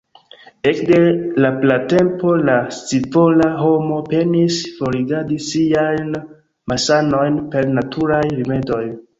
Ekde la pratempo la scivola homo penis forigadi siajn malsanojn per naturaj rimedoj.